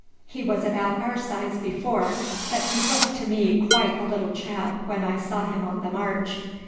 He was about our size before, but he looked to me quite a little chap when I saw him on the march."